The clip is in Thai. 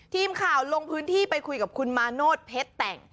ทีมข่าวลงพื้นที่ไปคุยกับคุณมาโนธเพชรแต่ง